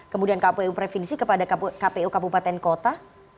kemudian kpu provinsi kepada kpu kabupaten kota